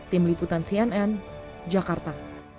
tim liputan cnn jakarta